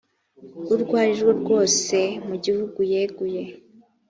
urwo ari rwo rwose mu gihe yeguye